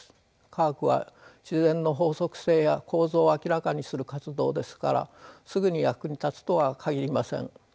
科学は自然の法則性や構造を明らかにする活動ですからすぐに役に立つとは限りません。